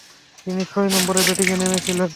তিনি ছয় নম্বরে ব্যাটিংয়ে নেমেছিলেন।